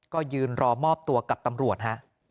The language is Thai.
ก็ยืนรอมอบตัวกับตำรวจฮะ